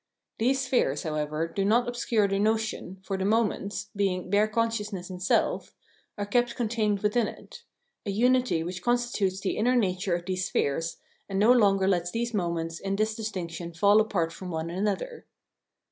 These spheres, however, do not obscure the notion, for the moments, (being, bare con sciousness and self), are kept contained within it — a unity which constitutes the inner nature of these spheres, and no longer lets these moments in this distinction fall a^part from one another.